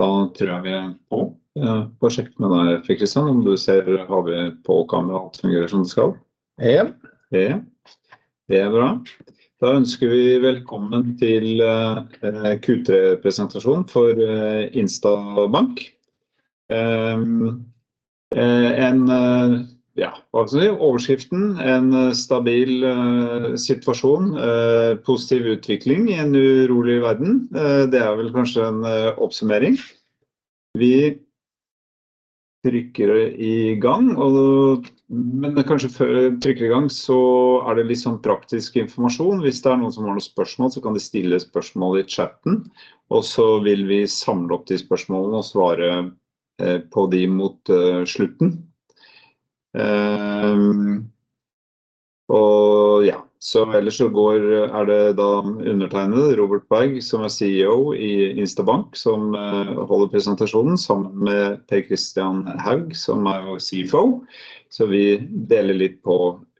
Da tror jeg vi er på. Får sjekke med deg Per Kristian, om du ser har vi på kamera at det fungerer som det skal? Ja. Ja, det er bra. Da ønsker vi velkommen til Q3-presentasjon for Instabank. En ja, hva kan vi si, overskriften: En stabil situasjon. Positiv utvikling i en urolig verden. Det er vel kanskje en oppsummering. Vi trykker i gang, men kanskje før vi trykker i gang så er det litt sånn praktisk informasjon. Hvis det er noen som har noen spørsmål, så kan de stille spørsmål i chatten, og så vil vi samle opp de spørsmålene og svare på de mot slutten. Og ja, så ellers så går, er det da undertegnede Robert Berg, som er CEO i Instabank, som holder presentasjonen sammen med Per Kristian Haug, som er jo CFO. Så vi deler litt på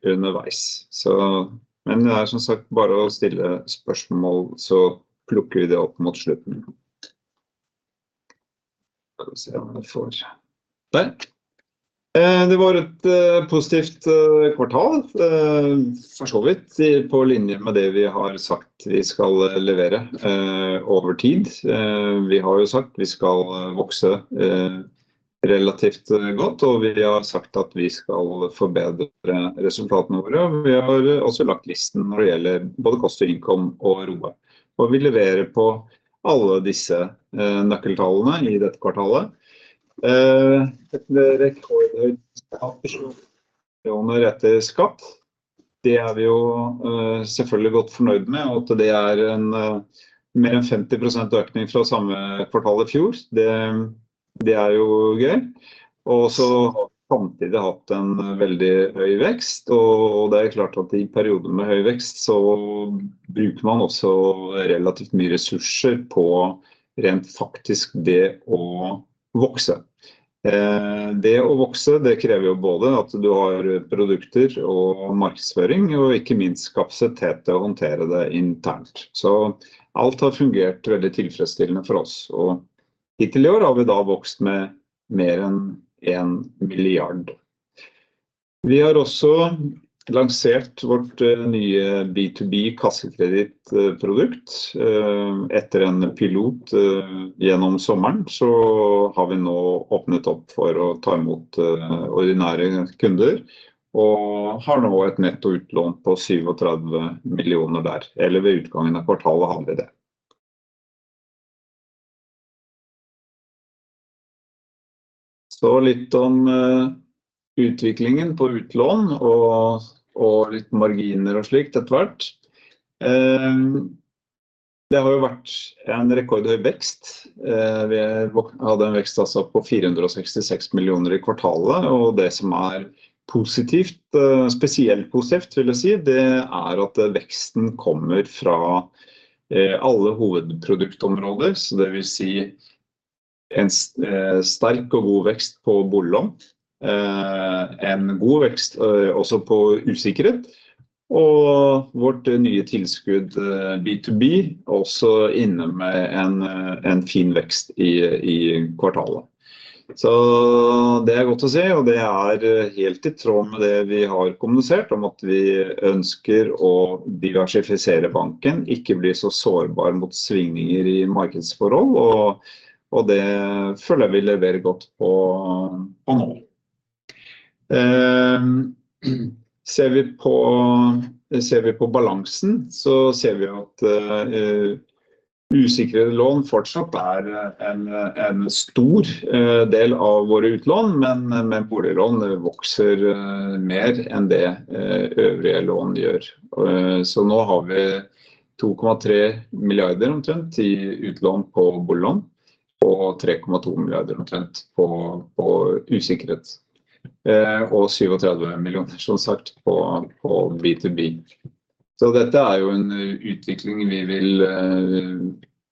underveis. Så, men det er som sagt bare å stille spørsmål, så plukker vi det opp mot slutten. Skal vi se om vi får der. Det var et positivt kvartal. For så vidt på linje med det vi har sagt vi skal levere over tid. Vi har jo sagt vi skal vokse relativt godt, og vi har sagt at vi skal forbedre resultatene våre. Vi har også lagt listen når det gjelder både kost, inntekt og ROE, og vi leverer på alle disse nøkkeltallene i dette kvartalet. Et rekordhøyt resultat etter skatt. Det er vi jo selvfølgelig godt fornøyd med, og at det er en mer enn 50% økning fra samme kvartal i fjor. Det er jo gøy! Samtidig har vi hatt en veldig høy vekst. Det er klart at i perioder med høy vekst så bruker man også relativt mye ressurser på rent faktisk det å vokse. Det å vokse krever jo både at du har produkter og markedsføring, og ikke minst kapasitet til å håndtere det internt. Alt har fungert veldig tilfredsstillende for oss, og hittil i år har vi vokst med mer enn en milliard. Vi har også lansert vårt nye B2B kassekredittprodukt. Etter en pilot gjennom sommeren har vi nå åpnet opp for å ta imot ordinære kunder, og har nå et netto utlån på 37 millioner der. Ved utgangen av kvartalet har vi det. Litt om utviklingen på utlån og marginer og slikt etterpå. Det har jo vært en rekordhøy vekst. Vi hadde en vekst på 466 millioner i kvartalet. Det som er positivt, spesielt positivt vil jeg si, det er at veksten kommer fra alle hovedproduktområder. Det vil si en sterk og god vekst på boliglån. En god vekst også på usikret, og vårt nye tilskudd, B2B, også inne med en fin vekst i kvartalet. Så det er godt å se. Og det er helt i tråd med det vi har kommunisert om at vi ønsker å diversifisere banken, ikke bli så sårbar mot svingninger i markedsforhold, og det føler vi leverer godt på nå. Ser vi på balansen så ser vi at usikrede lån fortsatt er en stor del av våre utlån. Men boliglån vokser mer enn det øvrige lån gjør. Så nå har vi NOK 2,3 milliarder omtrent i utlån på boliglån og NOK 3,2 milliarder omtrent på usikret. Og NOK 37 millioner som sagt på B2B. Så dette er jo en utvikling vi vil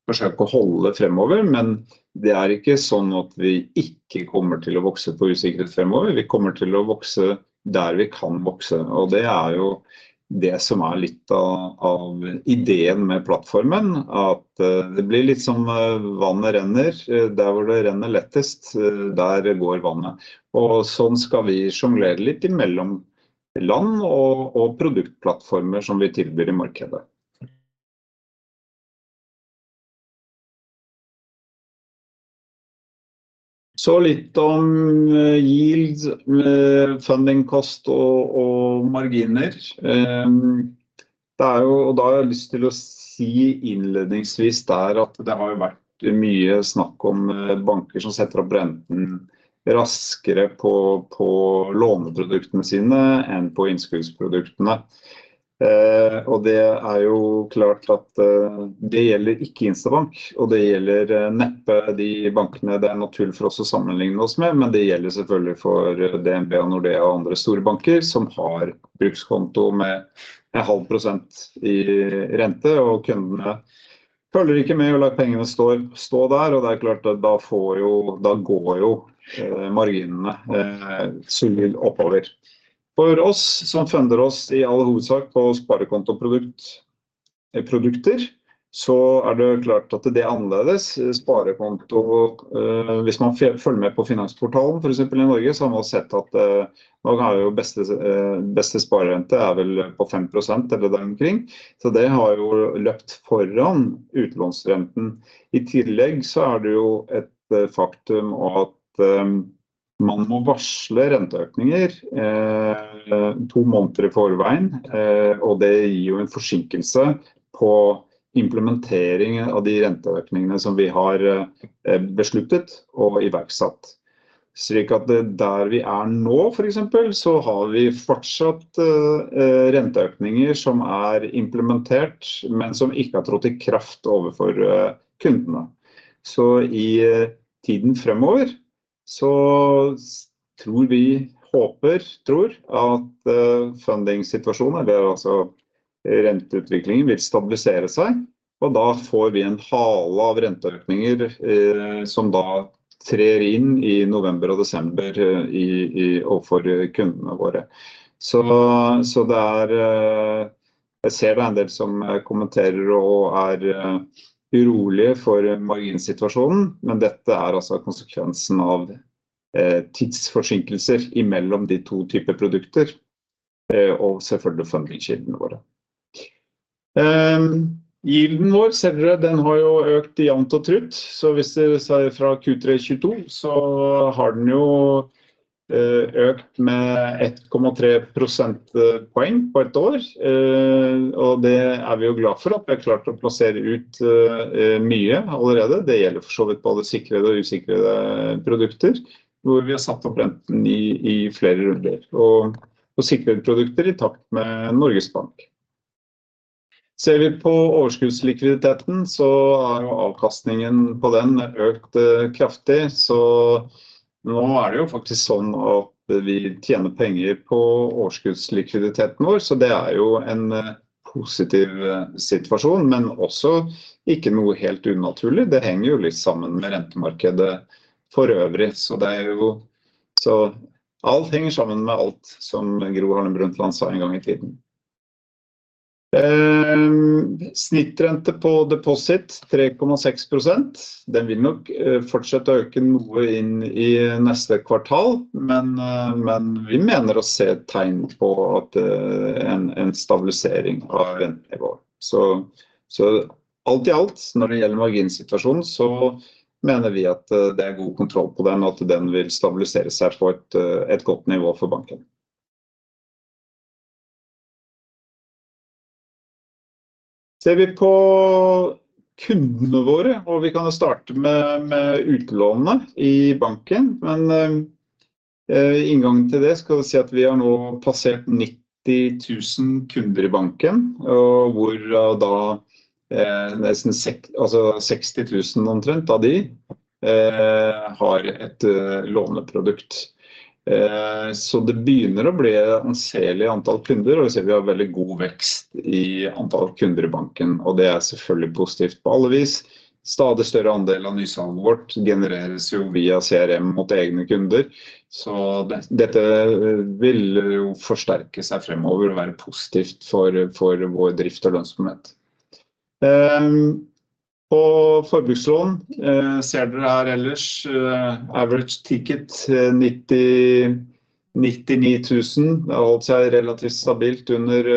forsøke å holde fremover. Men det er ikke sånn at vi ikke kommer til å vokse på usikret fremover. Vi kommer til å vokse der vi kan vokse, og det er jo det som er litt av ideen med plattformen, at det blir litt som vannet renner, der hvor det renner lettest, der går vannet. Og sånn skal vi sjonglere litt i mellom land og produktplattformer som vi tilbyr i markedet. Så litt om yield, funding cost og marginer. Det er jo, da har jeg lyst til å si innledningsvis der at det har jo vært mye snakk om banker som setter opp renten raskere på låneproduktene sine enn på innskuddsproduktene. Og det er jo klart at det gjelder ikke Instabank, og det gjelder neppe de bankene det er naturlig for oss å sammenligne oss med. Men det gjelder selvfølgelig for DNB og Nordea og andre store banker som har brukskonto med en halv prosent i rente. Og kundene følger ikke med og lar pengene stå der. Det er klart at da går jo marginene sulig oppover. For oss som funderer oss i all hovedsak på sparekonto produkter, så er det jo klart at det er annerledes sparekonto. Hvis man følger med på Finansportalen, for eksempel i Norge, så har man sett at man har jo beste sparerente er vel på 5% eller der omkring. Så det har jo løpt foran utlånsrenten. I tillegg så er det jo et faktum at man må varsle renteøkninger to måneder i forveien, og det gir jo en forsinkelse på implementeringen av de renteøkningene som vi har besluttet og iverksatt. Slik at der vi er nå, for eksempel, så har vi fortsatt renteøkninger som er implementert, men som ikke har trådt i kraft overfor kundene. Så i tiden fremover så tror vi, håper, tror at funding-situasjonen eller altså renteutviklingen, vil stabilisere seg. Og da får vi en hale av renteøkninger som da trer inn i november og desember overfor kundene våre. Så det er, jeg ser det er en del som kommenterer og er urolige for marginsituasjonen. Men dette er altså konsekvensen av tidsforsinkelser mellom de to typer produkter og selvfølgelig fundingskildene våre. Yielden vår ser dere, den har jo økt jevnt og trutt, så hvis det sa fra Q3 2022, så har den jo økt med 1,3 prosentpoeng på ett år. Og det er vi jo glad for at vi har klart å plassere ut mye allerede. Det gjelder for så vidt både sikrede og usikrede produkter, hvor vi har satt opp renten i flere runder og på sikrede produkter i takt med Norges Bank. Ser vi på overskuddslikviditeten, så har jo avkastningen på den økt kraftig. Så nå er det jo faktisk sånn at vi tjener penger på overskuddslikviditeten vår, så det er jo en positiv situasjon, men også ikke noe helt unaturlig. Det henger jo litt sammen med rentemarkedet for øvrig, så det er jo så alt henger sammen med alt som Gro Harlem Brundtland sa en gang i tiden. Snittrente på deposit 3,6%. Den vil nok fortsette å øke noe inn i neste kvartal. Men vi mener å se tegn på at en stabilisering av rentenivået. Alt i alt når det gjelder marginsituasjonen, mener vi at det er god kontroll på den og at den vil stabilisere seg på et godt nivå for banken. Ser vi på kundene våre, og vi kan starte med utlånene i banken. Men inngangen til det skal si at vi har nå passert nitti tusen kunder i banken, og hvor da nesten seksti tusen omtrent av de har et låneprodukt. Det begynner å bli anselig antall kunder, og vi ser vi har veldig god vekst i antall kunder i banken. Det er selvfølgelig positivt på alle vis. Stadig større andel av nysalget vårt genereres via CRM mot egne kunder, dette vil forsterke seg fremover og være positivt for vår drift og lønnsomhet. På forbrukslån ser dere her ellers average ticket nitti ni tusen. Det har holdt seg relativt stabilt under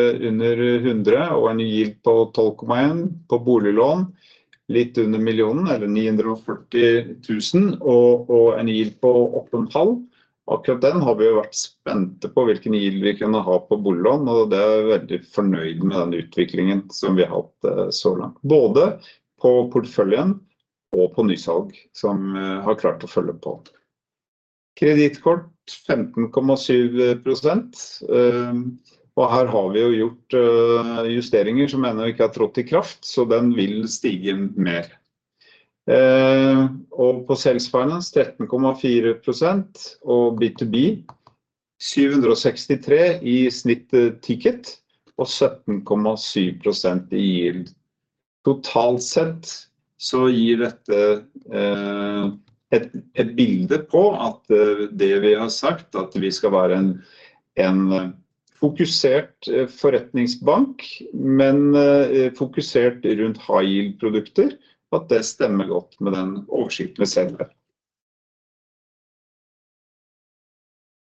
hundre og en yield på 12,1%. På boliglån litt under millionen eller ni hundre og førti tusen og en yield på 8,5%. Akkurat den har vi jo vært spente på hvilken yield vi kunne ha på boliglån, og det er veldig fornøyd med den utviklingen som vi har hatt så langt, både på porteføljen og på nysalg som har klart å følge på. Kredittkort 15,7%. Her har vi jo gjort justeringer som ennå ikke har trådt i kraft, så den vil stige mer. På Sales finance 13,4% og B2B syv hundre og seksti tre i snitt ticket og 17,7% i yield. Totalt sett så gir dette et bilde på at det vi har sagt at vi skal være en fokusert forretningsbank, men fokusert rundt high yield produkter, og at det stemmer godt med den oversikten vi ser her.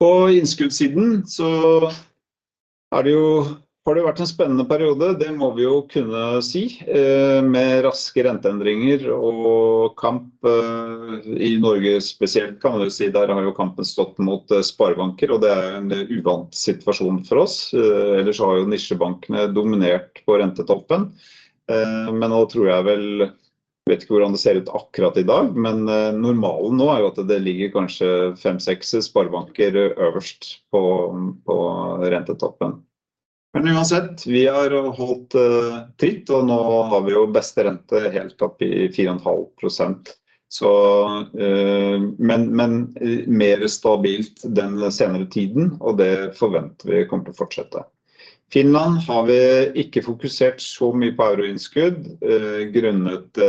På innskuddssiden så har det vært en spennende periode, det må vi kunne si. Med raske renteendringer og kamp i Norge spesielt kan vi si, der har kampen stått mot sparebanker, og det er en uvant situasjon for oss. Ellers så har nisjebankene dominert på rentetoppen, men nå tror jeg... jeg vet ikke hvordan det ser ut akkurat i dag, men normalen nå er at det ligger kanskje fem seks sparebanker øverst på rentetoppen. Men uansett, vi har holdt tritt, og nå har vi beste rente helt opp i 4,5%. Men mer stabilt den senere tiden, og det forventer vi kommer til å fortsette. Finland har vi ikke fokusert så mye på euroinnskudd grunnet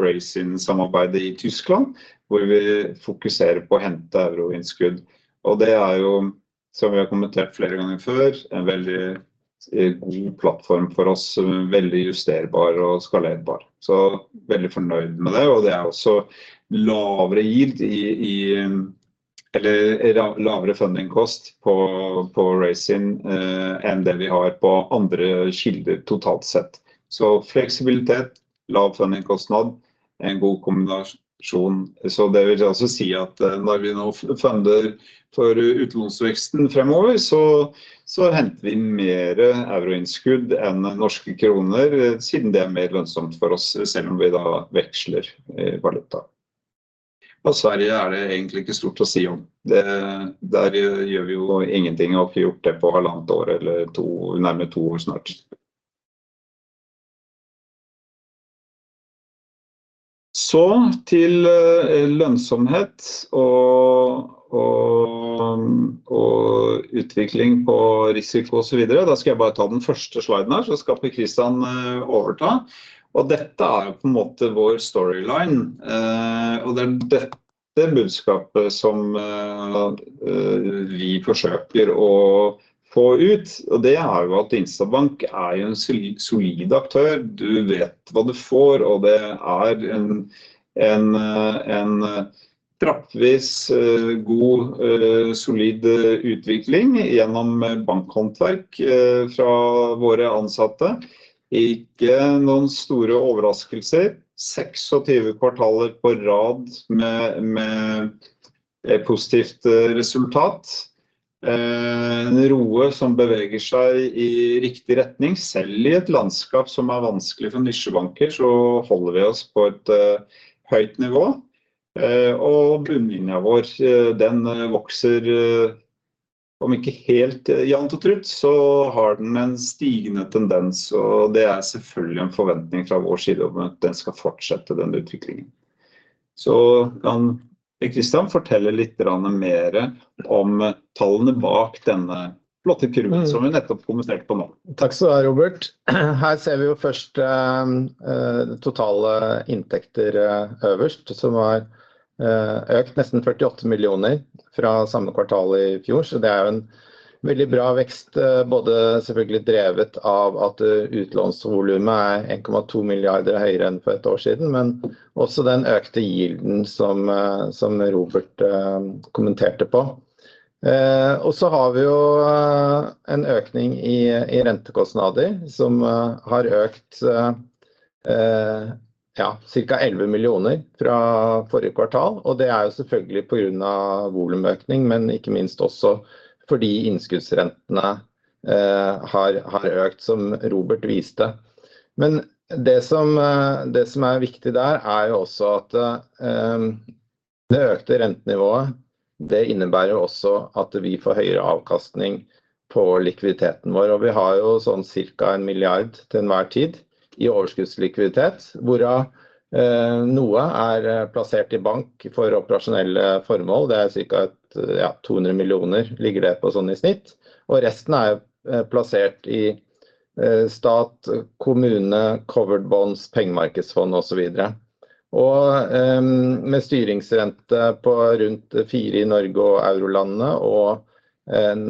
Raisin-samarbeidet i Tyskland, hvor vi fokuserer på å hente euroinnskudd. Det er en veldig god plattform for oss. Veldig justerbar og skalerbar. Veldig fornøyd med det. Det er også lavere yield i, eller lavere funding cost på Raisin enn det vi har på andre kilder totalt sett. Fleksibilitet, lav funding kostnad er en god kombinasjon. Det vil altså si at når vi nå funderer for utlånsveksten fremover, henter vi mer euroinnskudd enn norske kroner, siden det er mer lønnsomt for oss, selv om vi da veksler valuta. Sverige er det egentlig ikke stort å si om det. Der gjør vi jo ingenting, og har ikke gjort det på halvannet år eller to, nærmere to år snart. Så til lønnsomhet og utvikling på risiko og så videre. Da skal jeg bare ta den første sliden her, så skal Per Kristian overta. Dette er jo på en måte vår storyline, og det er dette budskapet som vi forsøker å få ut. Det er jo at Instabank er jo en solid aktør. Du vet hva du får, og det er en trappevis god, solid utvikling gjennom bankhåndverk fra våre ansatte. Ikke noen store overraskelser. Seks og tyve kvartaler på rad med positivt resultat. En ROE som beveger seg i riktig retning. Selv i et landskap som er vanskelig for nisjebanker, så holder vi oss på et høyt nivå og bunnlinjen vår, den vokser. Om ikke helt jevnt og trutt, så har den en stigende tendens. Og det er selvfølgelig en forventning fra vår side om at den skal fortsette den utviklingen. Så kan Per Kristian fortelle litt granne mer om tallene bak denne blå kurven som vi nettopp kommenterte på nå. Takk skal du ha, Robert! Her ser vi jo først totale inntekter øverst, som har økt nesten 48 millioner fra samme kvartal i fjor. Det er jo en veldig bra vekst. Både selvfølgelig drevet av at utlånsvolumet er 1,2 milliarder høyere enn for ett år siden, men også den økte yielden som Robert kommenterte på. Vi har jo en økning i rentekostnader som har økt cirka 11 millioner fra forrige kvartal. Det er jo selvfølgelig på grunn av volumøkning, men ikke minst også fordi innskuddsrentene har økt, som Robert viste. Men det som er viktig der er jo også at det økte rentenivået innebærer jo også at vi får høyere avkastning på likviditeten vår. Vi har jo sånn cirka en milliard til enhver tid i overskuddslikviditet, hvorav noe er plassert i bank for operasjonelle formål. Det er cirka to hundre millioner, ligger det på sånn i snitt, og resten er plassert i stat, kommune, covered bonds, pengemarkedsfond og så videre. Og med styringsrente på rundt 4% i Norge og eurolandene, og en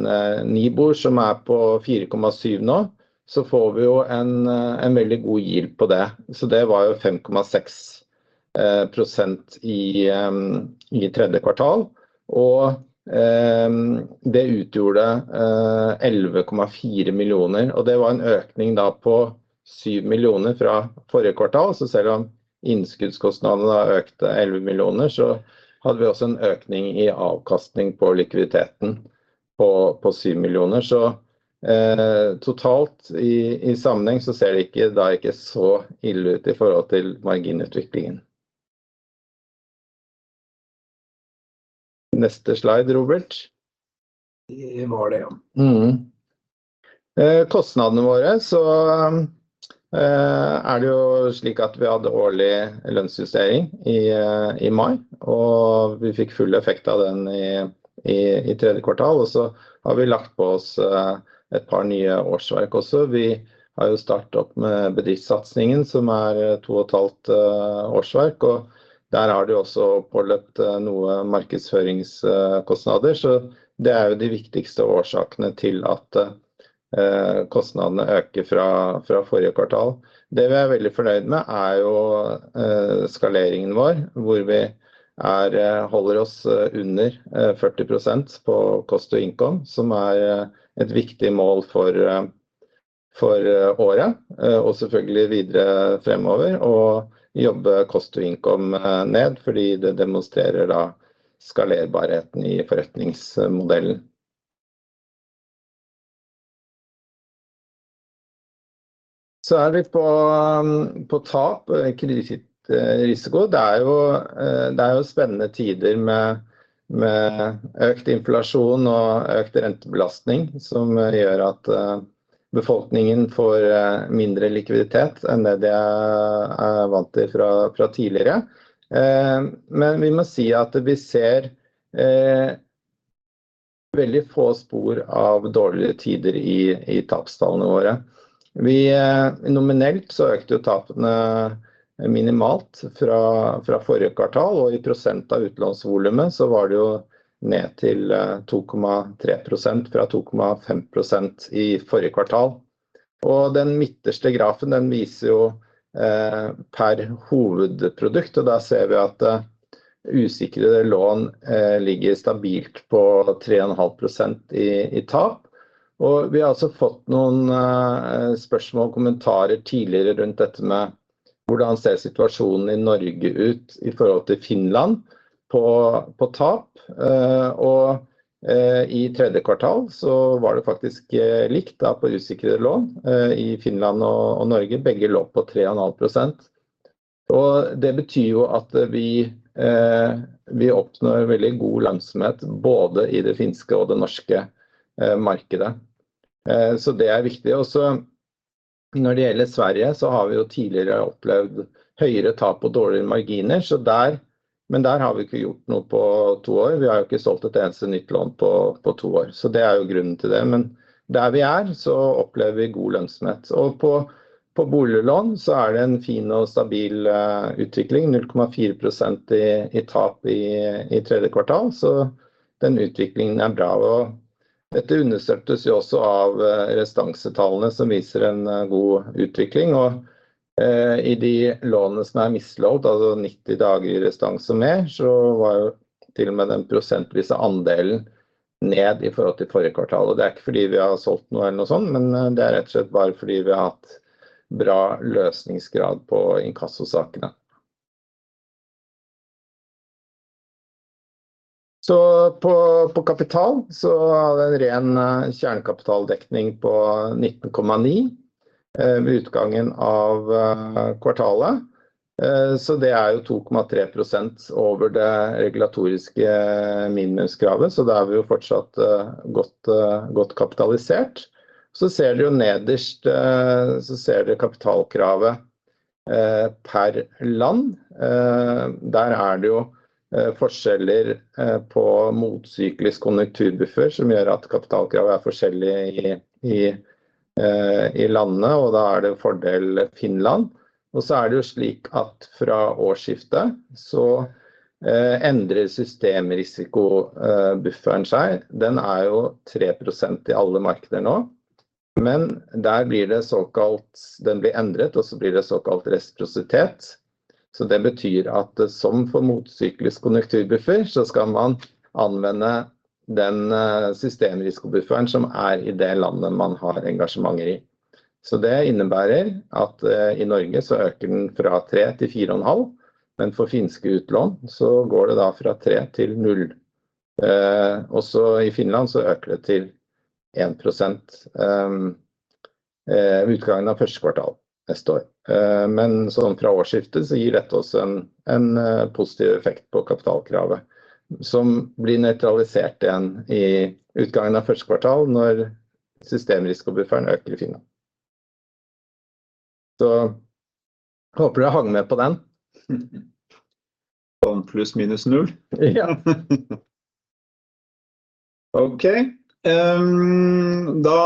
NIBOR som er på 4,7% nå, så får vi jo en veldig god yield på det. Så det var jo 5,6% i tredje kvartal, og det utgjorde NOK 11,4 millioner. Og det var en økning da på NOK 7 millioner fra forrige kvartal. Så selv om innskuddskostnadene har økt NOK 11 millioner, så hadde vi også en økning i avkastning på likviditeten på NOK 7 millioner. Så totalt i sammenheng så ser det ikke så ille ut i forhold til marginutviklingen. Neste slide, Robert. Det var det ja. Kostnadene våre så er det jo slik at vi hadde årlig lønnsjustering i mai, og vi fikk full effekt av den i tredje kvartal. Vi har lagt på oss et par nye årsverk også. Vi har jo startet opp med bedriftsatsingen, som er to og et halvt årsverk, og der har det jo også påløpt noe markedsføringskostnader. Det er jo de viktigste årsakene til at kostnadene øker fra forrige kvartal. Det vi er veldig fornøyd med er jo skaleringen vår, hvor vi holder oss under 40% på cost to income. Som er et viktig mål for året og selvfølgelig videre fremover. Jobbe cost to income ned fordi det demonstrerer da skalerbarheten i forretningsmodellen. Så er det litt på tap og kredittrisiko. Det er jo spennende tider med økt inflasjon og økt rentebelastning, som gjør at befolkningen får mindre likviditet enn det de er vant til fra tidligere. Men vi må si at vi ser veldig få spor av dårligere tider i tapstallene våre. Vi, nominelt så økte jo tapene minimalt fra forrige kvartal, og i prosent av utlånsvolumet så var det jo ned til 2,3% fra 2,5% i forrige kvartal. Og den midterste grafen. Den viser jo per hovedprodukt, og da ser vi at usikrede lån ligger stabilt på 3,5% i tap. Og vi har også fått noen spørsmål og kommentarer tidligere rundt dette med hvordan ser situasjonen i Norge ut i forhold til Finland på tap? Og i tredje kvartal så var det faktisk likt da på usikrede lån i Finland og Norge. Begge lå på 3,5%, og det betyr jo at vi oppnår veldig god lønnsomhet både i det finske og det norske markedet. Så det er viktig. Når det gjelder Sverige, så har vi jo tidligere opplevd høyere tap og dårligere marginer. Men der har vi ikke gjort noe på to år. Vi har jo ikke solgt et eneste nytt lån på to år, så det er jo grunnen til det. Men der vi er så opplever vi god lønnsomhet, og på boliglån så er det en fin og stabil utvikling. 0,4% i tap i tredje kvartal. Så den utviklingen er bra. Dette understøttes jo også av restansetallene som viser en god utvikling. Og i de lånene som er mislånt, altså nitti dager i restanse mer, så var til og med den prosentvise andelen ned i forhold til forrige kvartal. Det er ikke fordi vi har solgt noe eller noe sånt, men det er rett og slett bare fordi vi har hatt bra løsningsgrad på inkassosakene. På kapital så er det en ren kjernekapitaldekning på 19,9% ved utgangen av kvartalet. Det er 2,3% over det regulatoriske minimumskravet. Da er vi fortsatt godt kapitalisert. Nederst ser du kapitalkravet per land. Der er det forskjeller på motsyklisk konjunkturbuffer som gjør at kapitalkravet er forskjellig i landene, og da er det en fordel Finland. Fra årsskiftet så endrer systemrisiko bufferen seg. Den er jo 3% i alle markeder nå, men der blir det såkalt, den blir endret og så blir det såkalt resiprositet. Det betyr at som for motsyklisk konjunkturbuffer, så skal man anvende den systemrisikobufferen som er i det landet man har engasjementer i. Det innebærer at i Norge så øker den fra 3% til 4,5%. Men for finske utlån så går det da fra 3% til null. I Finland så øker det til 1% ved utgangen av første kvartal neste år. Men fra årsskiftet så gir dette oss en positiv effekt på kapitalkravet, som blir nøytralisert igjen i utgangen av første kvartal, når systemrisikobufferen øker i Finland. Så håper du har hang med på den. Sånn pluss minus null. Ja. OK, da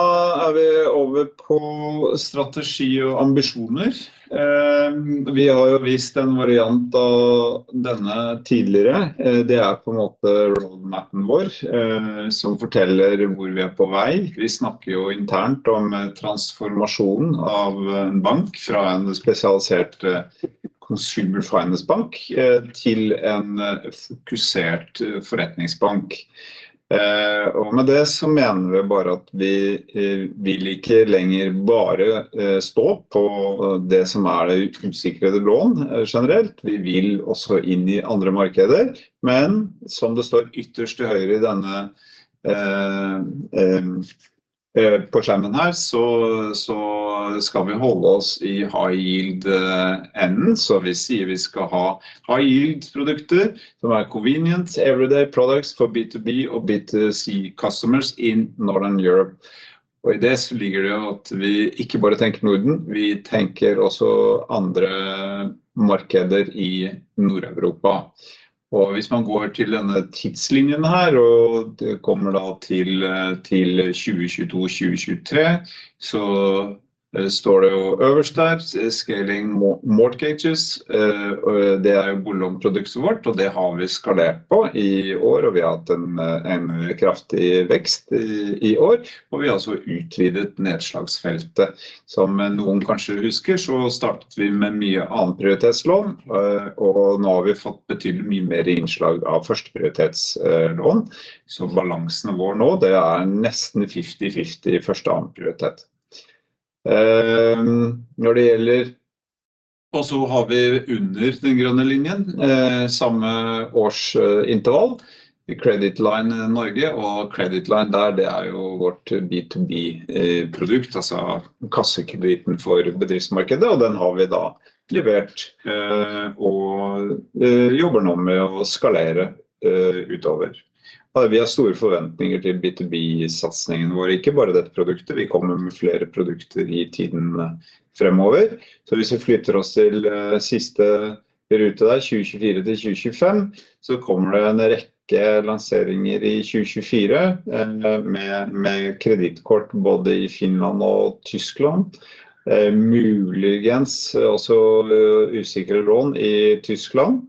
er vi over på strategi og ambisjoner. Vi har jo vist en variant av denne tidligere. Det er på en måte road mapen vår som forteller hvor vi er på vei. Vi snakker jo internt om transformasjonen av en bank fra en spesialisert consumer finance bank til en fokusert forretningsbank. Og med det så mener vi bare at vi vil ikke lenger bare stå på det som er det usikrede lån generelt. Vi vil også inn i andre markeder. Men som det står ytterst til høyre i denne på skjermen her, så skal vi holde oss i high yield enden. Så vi sier vi skal ha high yield produkter som er convenient everyday products for B2B og B2C customers in Northern Europe. Og i det så ligger det at vi ikke bare tenker Norden, vi tenker også andre markeder i Nord-Europa. Og hvis man går til denne tidslinjen her, og det kommer da til tjue tjueto, tjue tjuetre, så står det jo over types scaling mortgages. Og det er jo boliglånsproduktet vårt, og det har vi skalert på i år, og vi har hatt en kraftig vekst i år, og vi har også utvidet nedslagsfeltet. Som noen kanskje husker så startet vi med mye annen prioritetlån, og nå har vi fått betydelig mye mer innslag av førsteprioritetslån. Så balansen vår nå, det er nesten fifty fifty første og annen prioritet. Når det gjelder... Og så har vi under den grønne linjen samme årsintervall i credit line Norge og credit line der. Det er jo vårt B2B produkt, altså kassekreditten for bedriftsmarkedet. Og den har vi da levert og jobber nå med å skalere utover. Og vi har store forventninger til B2B satsingen vår. Ikke bare dette produktet. Vi kommer med flere produkter i tiden fremover. Hvis vi flytter oss til siste rute der 2024 til 2025, så kommer det en rekke lanseringer i 2024 med kredittkort både i Finland og Tyskland. Muligens også usikrede lån i Tyskland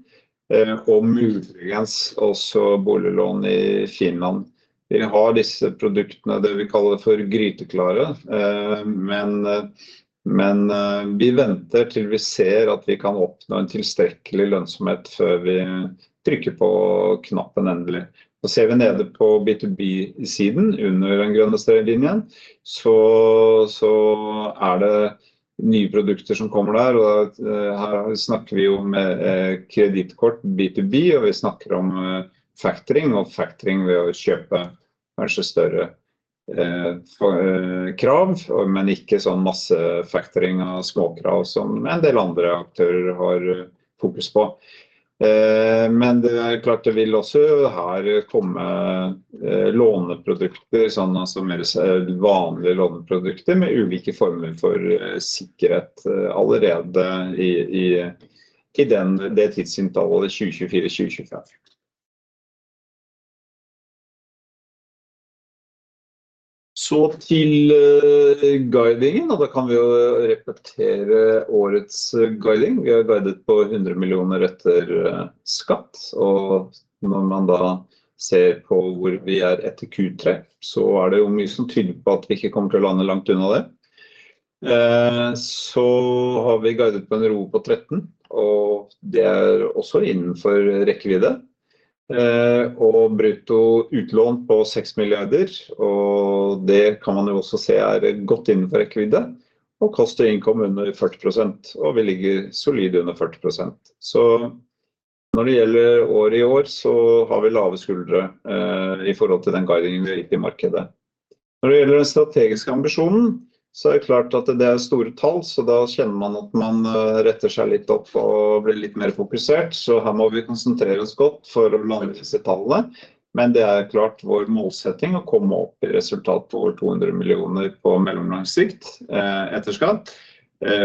og muligens også boliglån i Finland. Vi har disse produktene, det vi kaller for gryteklare. Men vi venter til vi ser at vi kan oppnå en tilstrekkelig lønnsomhet før vi trykker på knappen endelig. Ser vi nede på B2B-siden under den grønne linjen, så er det nye produkter som kommer der. Her snakker vi om kredittkort B2B og vi snakker om faktoring og faktoring ved å kjøpe kanskje større krav, men ikke sånn masse fakturering av småkrav som en del andre aktører har fokus på. Men det er klart det vil også her komme låneprodukter sånn som vanlige låneprodukter med ulike former for sikkerhet allerede i tidsintervallene 2024 og 2025. Så til guidingen, og da kan vi repetere årets guiding. Vi har guidet på 100 millioner etter skatt, og når man da ser på hvor vi er etter Q3, så er det mye som tyder på at vi ikke kommer til å lande langt unna det. Så har vi guidet på en ROE på 13%, og det er også innenfor rekkevidde og brutto utlån på 6 milliarder. Og det kan man også se er godt innenfor rekkevidde og kost og innkomst under 40%. Og vi ligger solid under 40%. Så når det gjelder året i år så har vi lave skuldre i forhold til den guidingen vi gikk i markedet. Når det gjelder den strategiske ambisjonen, så er det klart at det er store tall, så da kjenner man at man retter seg litt opp og blir litt mer fokusert. Her må vi konsentrere oss godt for å lande disse tallene. Men det er klart vår målsetting å komme opp i resultat på over 200 millioner på mellomlang sikt etter skatt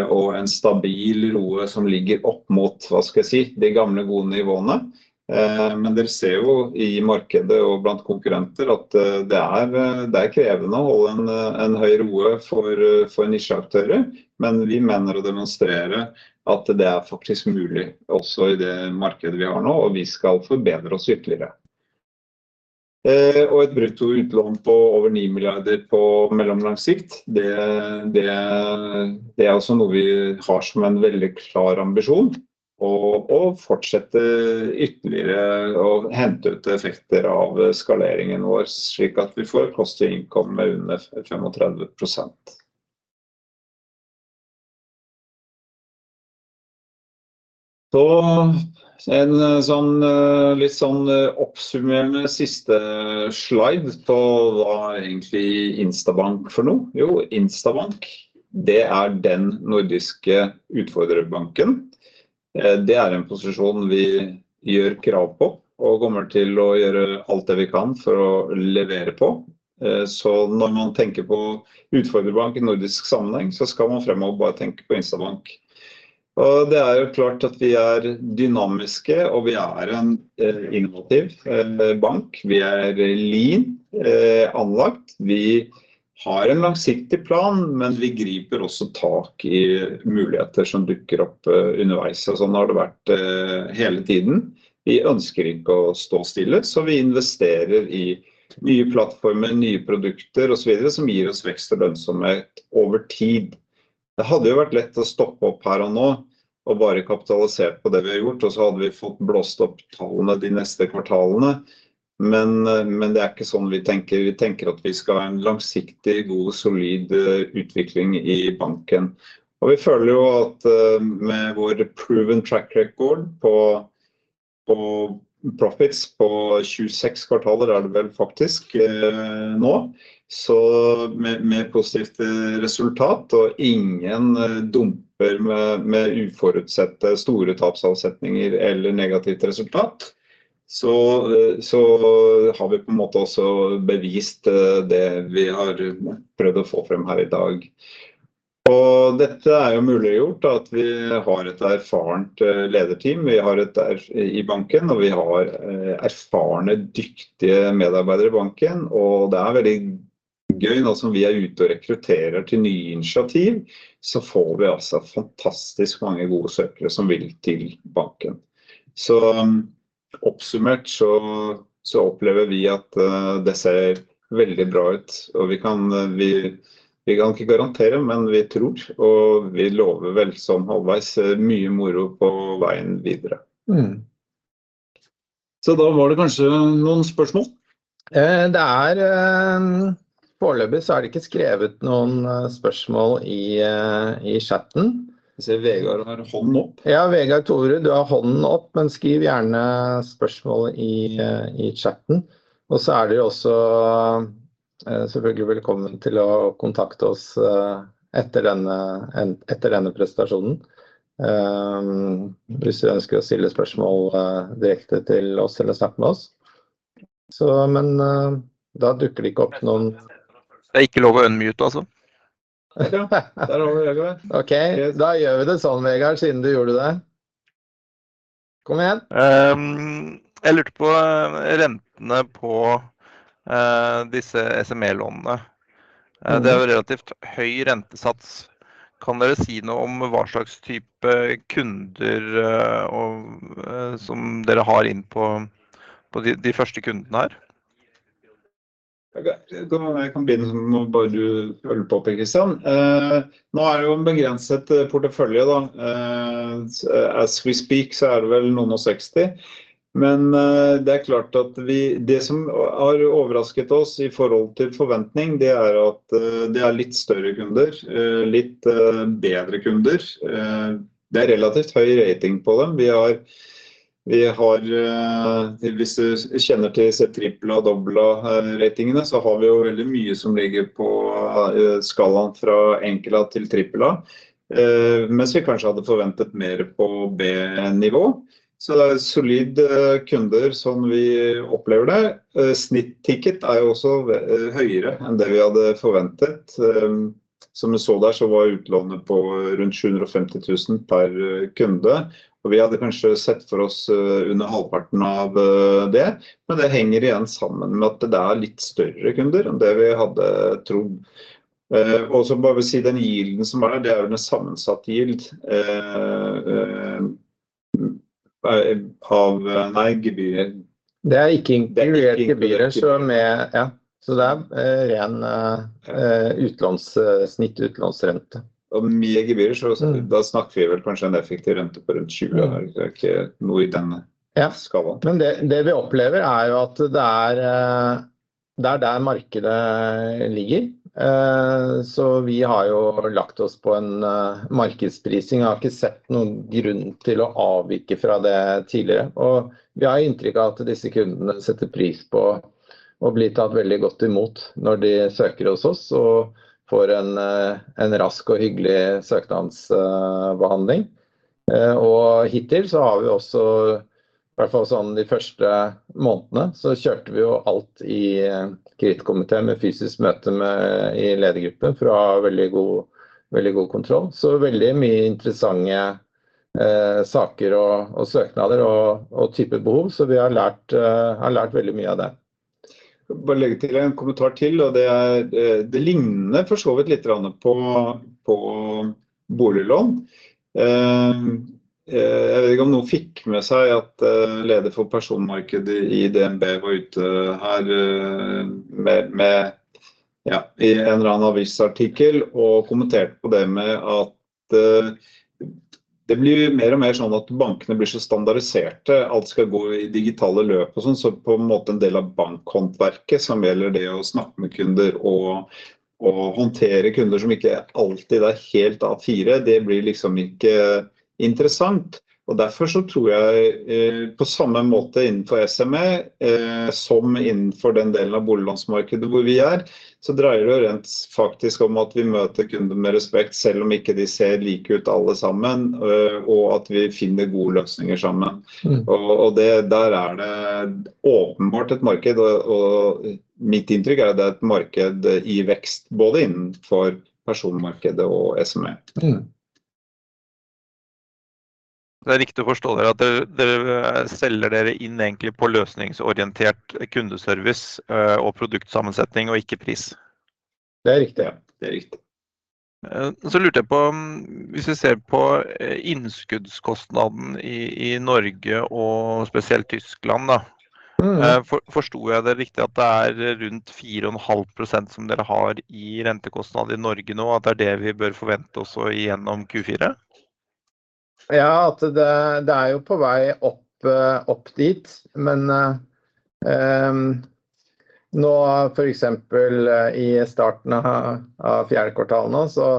og en stabil ROE som ligger opp mot de gamle gode nivåene. Men dere ser jo i markedet og blant konkurrenter at det er krevende å holde en høy ROE for nisjeaktører. Men vi mener å demonstrere at det er faktisk mulig også i det markedet vi har nå, og vi skal forbedre oss ytterligere. Og et brutto utlån på over ni milliarder på mellomlang sikt. Det er også noe vi har som en veldig klar ambisjon, og å fortsette ytterligere å hente ut effekter av skaleringen vår slik at vi får kostnader under 35%. Så en litt oppsummerende siste slide på hva egentlig Instabank er for noe? Jo, Instabank, det er den nordiske utfordrerbanken. Det er en posisjon vi gjør krav på og kommer til å gjøre alt det vi kan for å levere på. Så når man tenker på utfordrerbank i nordisk sammenheng, så skal man fremover bare tenke på Instabank. Det er jo klart at vi er dynamiske, og vi er en innovativ bank. Vi er lean anlagt. Vi har en langsiktig plan, men vi griper også tak i muligheter som dukker opp underveis. Sånn har det vært hele tiden. Vi ønsker ikke å stå stille, så vi investerer i nye plattformer, nye produkter og så videre, som gir oss vekst og lønnsomhet over tid. Det hadde jo vært lett å stoppe opp her og nå, og bare kapitalisert på det vi har gjort. Så hadde vi fått blåst opp tallene de neste kvartalene. Men det er ikke sånn vi tenker. Vi tenker at vi skal ha en langsiktig, god og solid utvikling i banken. Vi føler jo at med vår proven track record på profits på tjueseks kvartaler er det vel faktisk nå, så med positivt resultat og ingen dumper med uforutsette store tapsavsetninger eller negativt resultat. Så har vi på en måte også bevist det vi har prøvd å få frem her i dag. Dette er jo muliggjort at vi har et erfarent lederteam. Vi har et i banken, og vi har erfarne, dyktige medarbeidere i banken. Det er veldig gøy nå som vi er ute og rekrutterer til nye initiativ, så får vi altså fantastisk mange gode søkere som vil til banken. Oppsummert så opplever vi at det ser veldig bra ut og vi kan vi. Vi kan ikke garantere, men vi tror og vi lover vel sånn halvveis mye moro på veien videre. Da var det kanskje noen spørsmål? Det er... foreløpig så er det ikke skrevet noen spørsmål i chatten. Jeg ser Vegard har hånden opp. Ja, Vegard Tore, du har hånden opp, men skriv gjerne spørsmålet i chatten. Og så er dere også selvfølgelig velkommen til å kontakte oss etter denne presentasjonen. Hvis dere ønsker å stille spørsmål direkte til oss eller snakke med oss. Men da dukker det ikke opp noen. Det er ikke lov å unmute altså. Der har du Vegard. Okay, da gjør vi det sånn, Vegard, siden du gjorde det. Kom igjen! Jeg lurte på rentene på disse SME-lånene. Det er jo relativt høy rentesats. Kan dere si noe om hva slags type kunder som dere har inn på de første kundene her? Jeg kan begynne, så bare du holder på Per Christian. Nå er det jo en begrenset portefølje da. As we speak så er det vel noen og seksti. Men det er klart at vi, det som har overrasket oss i forhold til forventning, det er at det er litt større kunder, litt bedre kunder. Det er relativt høy rating på dem. Vi har, hvis du kjenner til trippel A, dobbel A ratingene, så har vi jo veldig mye som ligger på skalaen fra enkel A til trippel A, mens vi kanskje hadde forventet mer på B nivå. Så det er solide kunder sånn vi opplever det. Snitt ticket er jo også høyere enn det vi hadde forventet. Som du så der så var utlånet på rundt NOK 750,000 per kunde, og vi hadde kanskje sett for oss under halvparten av det. Men det henger igjen sammen med at det er litt større kunder enn det vi hadde trodd. Og så bare vil si den yten som er der, det er jo en sammensatt yield av gebyrer. Det er ikke inkludert gebyrer. Så det er ren utlåns snitt utlånsrente. Og mye gebyrer. Så da snakker vi vel kanskje en effektiv rente på rundt 20%. Det er ikke noe i denne skalaen. Ja, men det vi opplever er jo at det er der markedet ligger. Så vi har jo lagt oss på en markedsprising og har ikke sett noen grunn til å avvike fra det tidligere. Og vi har inntrykk av at disse kundene setter pris på å bli tatt veldig godt imot når de søker hos oss, og får en rask og hyggelig søknadsbehandling. Og hittil så har vi også i hvert fall sånn de første månedene så kjørte vi jo alt i kredittkomité med fysisk møte i ledergruppen for å ha veldig god kontroll. Så veldig mye interessante saker og søknader og typer behov. Så vi har lært veldig mye av det. Bare legge til en kommentar til, og det er... det ligner for så vidt litt på boliglån. Jeg vet ikke om noen fikk med seg at leder for personmarkedet i DNB var ute her med ja, i en eller annen avisartikkel og kommenterte på det med at det blir mer og mer sånn at bankene blir så standardiserte. Alt skal gå i digitale løp og sånn. Så på en måte en del av bankhåndverket som gjelder det å snakke med kunder og håndtere kunder som ikke alltid er helt A4. Det blir liksom ikke interessant. Og derfor så tror jeg på samme måte innenfor SME, som innenfor den delen av boliglånsmarkedet hvor vi er, så dreier det seg rent faktisk om at vi møter kundene med respekt, selv om ikke de ser like ut alle sammen, og at vi finner gode løsninger sammen. Og det der er det åpenbart et marked. Og mitt inntrykk er at det er et marked i vekst, både innenfor personmarkedet og SME. Det er riktig å forstå dere at dere selger dere inn egentlig på løsningsorientert kundeservice og produktsammensetning og ikke pris? Det er riktig. Ja, det er riktig. Så lurte jeg på om hvis vi ser på innskuddskostnaden i Norge og spesielt Tyskland da. Forsto jeg det riktig at det er rundt 4,5% som dere har i rentekostnad i Norge nå, og at det er det vi bør forvente også gjennom Q4? Ja, at det er jo på vei opp dit. Men nå for eksempel i starten av fjerde kvartal nå, så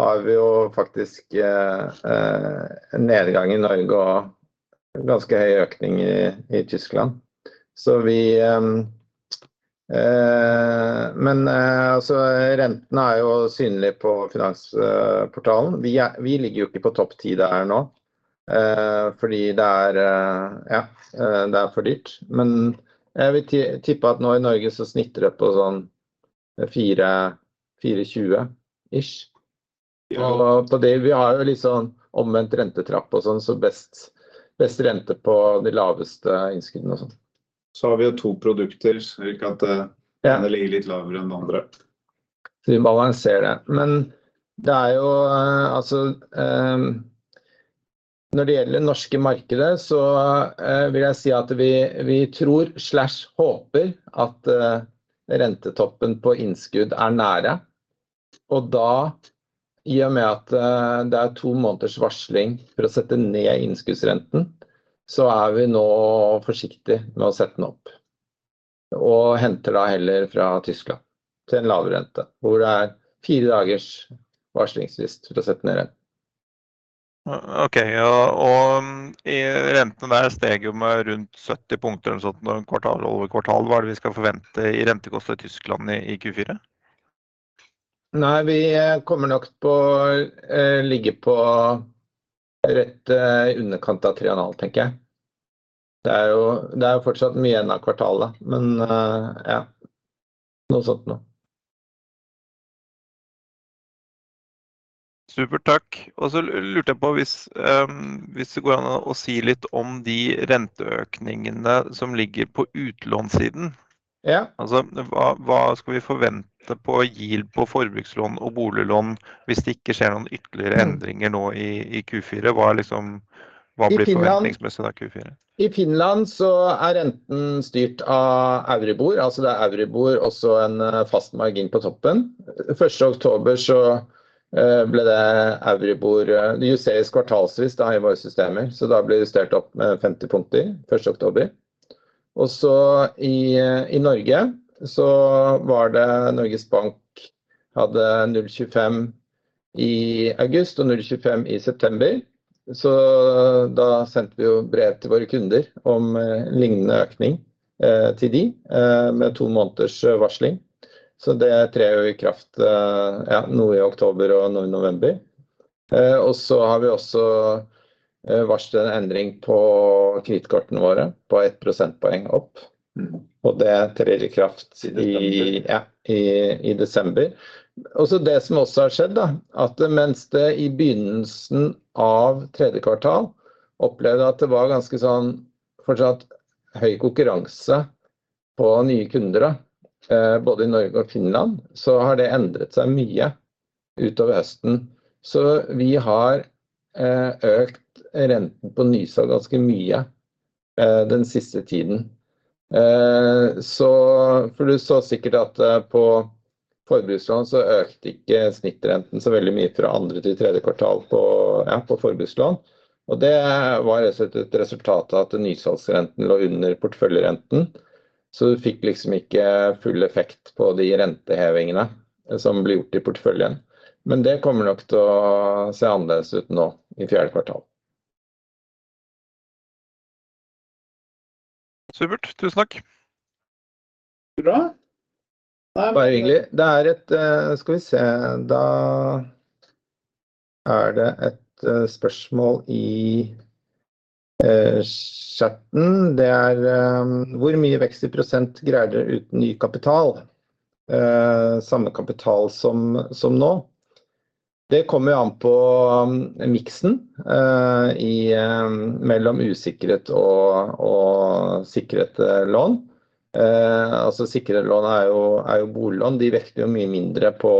har vi jo faktisk en nedgang i Norge og ganske høy økning i Tyskland. Men altså renten er jo synlig på finansportalen. Vi ligger jo ikke på topp ti der nå fordi det er for dyrt. Men jeg vil tippe at nå i Norge så snitter det på sånn fire komma tjue og på de... vi har jo litt sånn omvendt rentetrappe. Så best rente på de laveste innskuddene. Så har vi jo to produkter, slik at den ene ligger litt lavere enn den andre. Så vi balanserer det. Men det er jo, altså, når det gjelder det norske markedet så vil jeg si at vi tror slash håper at rentetoppen på innskudd er nære. Og da i og med at det er to måneders varsling for å sette ned innskuddsrenten, så er vi nå forsiktig med å sette den opp og henter da heller fra Tyskland til en lavere rente hvor det er fire dagers varslingsfrist for å sette ned renten. Okay, og i renten der steg jo med rundt sytti punkter eller sånt når kvartal over kvartal. Hva er det vi skal forvente i rentekostnad i Tyskland i Q4? Nei, vi kommer nok til å ligge på rett i underkant av tre og en halv, tenker jeg. Det er jo fortsatt mye igjen av kvartalet, men ja, noe sånt noe. Supert! Takk. Og så lurte jeg på hvis det går an å si litt om de renteøkningene som ligger på utlånssiden? Ja. Altså, hva skal vi forvente på yield på forbrukslån og boliglån hvis det ikke skjer noen ytterligere endringer nå i Q4? Hva er liksom, hva blir forventningsmessig da Q4? I Finland så er renten styrt av Euribor. Altså, det er Euribor og så en fast margin på toppen. Første oktober så ble det Euribor. Det justeres kvartalsvis da i våre systemer, så da ble det justert opp med femti punkter første oktober. Og så i Norge så var det Norges Bank hadde 0,25% i august og 0,25% i september. Så da sendte vi jo brev til våre kunder om lignende økning til de med to måneders varsling. Så det trer jo i kraft nå i oktober og nå i november. Og så har vi også varslet en endring på kredittkortene våre på ett prosentpoeng opp. Og det trer i kraft i desember. Og så det som også har skjedd da, at mens det i begynnelsen av tredje kvartal opplevde at det var ganske sånn fortsatt høy konkurranse på nye kunder da, både i Norge og Finland, så har det endret seg mye utover høsten. Så vi har økt renten på nysalg ganske mye den siste tiden. Så for du så sikkert at på forbrukslån så økte ikke snittrenten så veldig mye fra andre til tredje kvartal på forbrukslån. Det var rett og slett et resultat av at nysalgsrenten lå under porteføljerenten, så du fikk ikke full effekt på de rentehevingene som ble gjort i porteføljen. Men det kommer nok til å se annerledes ut nå i fjerde kvartal. Supert! Tusen takk. Bare bra. Bare hyggelig. Det er et spørsmål i chatten. Det er: hvor mye vekst i % greier dere uten ny kapital? Samme kapital som nå. Det kommer jo an på miksen mellom usikret og sikret lån. Altså sikrede lån er jo boliglån. De vekter jo mye mindre på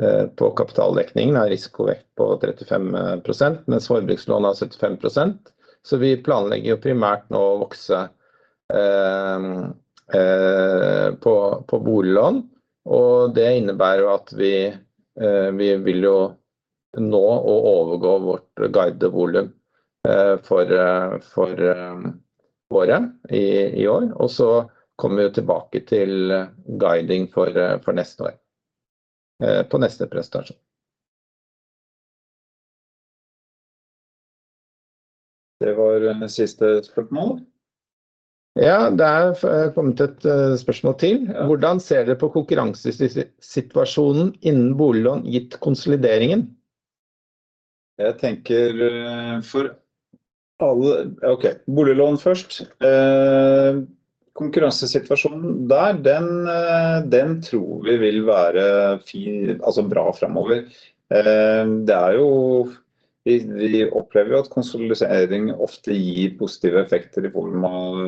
kapitaldekningen er risikovekt på 35%, mens forbrukslån har 75%. Så vi planlegger jo primært nå å vokse på boliglån. Det innebærer jo at vi vil jo nå å overgå vårt guidevolum for året i år. Så kommer vi jo tilbake til guiding for neste år på neste presentasjon. Det var siste spørsmål. Ja, det er kommet et spørsmål til. Hvordan ser dere på konkurransesituasjonen innen boliglån gitt konsolideringen? Jeg tenker for alle... Okay, boliglån først. Konkurransesituasjonen der, den tror vi vil være fin, altså bra fremover. Det er jo, vi opplever jo at konsolidering ofte gir positive effekter i form av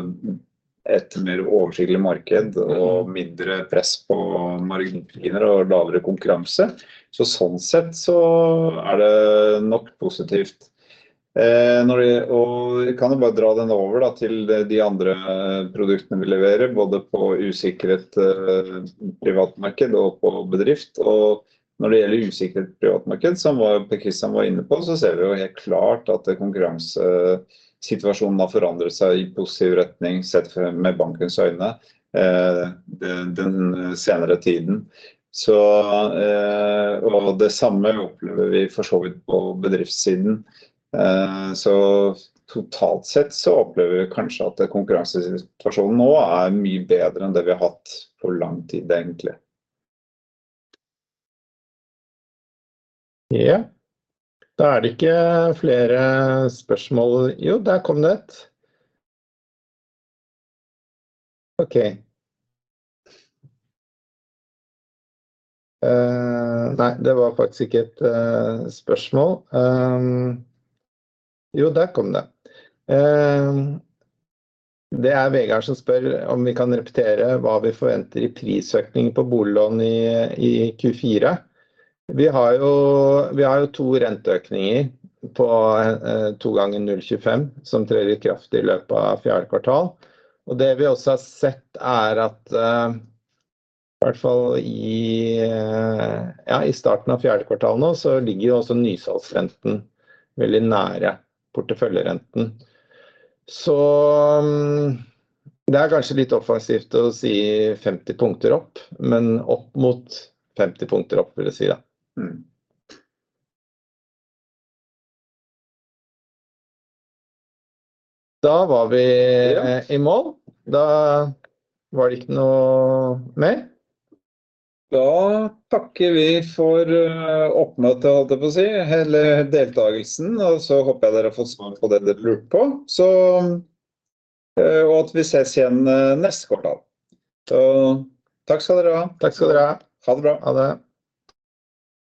et mer oversiktlig marked og mindre press på marginkrav og lavere konkurranse. Så sånn sett så er det nok positivt. Når det, og vi kan jo bare dra den over da til de andre produktene vi leverer, både på usikret privatmarked og på bedrift. Og når det gjelder usikret privatmarked, som var det Kristian var inne på, så ser vi jo helt klart at konkurransesituasjonen har forandret seg i positiv retning, sett med bankens øyne, den senere tiden. Og det samme opplever vi for så vidt på bedriftssiden. Så totalt sett så opplever vi kanskje at konkurransesituasjonen nå er mye bedre enn det vi har hatt på lang tid, egentlig. Ja, da er det ikke flere spørsmål. Jo, der kom det ett. Okay. Nei, det var faktisk ikke et spørsmål. Jo, der kom det. Det er Vegard som spør om vi kan repetere hva vi forventer i prisøkning på boliglån i Q4. Vi har jo to renteøkninger på to ganger 0,25%, som trer i kraft i løpet av fjerde kvartal. Og det vi også har sett er at i hvert fall i, ja, i starten av fjerde kvartal nå så ligger jo også nysalgsrenten veldig nære porteføljerenten. Så det er kanskje litt offensivt å si femti punkter opp, men opp mot femti punkter opp vil jeg si da. Da var vi i mål. Da var det ikke noe mer. Da takker vi for oppmøtet, holdt jeg på å si, hele deltakelsen. Og så håper jeg dere har fått svar på det dere lurer på. Og at vi sees igjen neste kvartal. Takk skal dere ha. Takk skal dere ha! Ha det bra. Ha det.